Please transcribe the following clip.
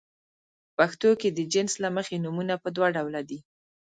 په پښتو کې د جنس له مخې نومونه په دوه ډوله دي.